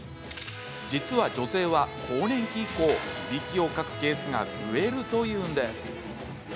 実は女性は更年期以降いびきをかくケースが増えるというんです。